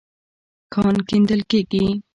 کان کيندل کېږي.